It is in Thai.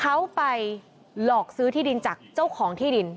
เขาไปหลอกซื้อที่ดินจากเจ้าของที่ดิน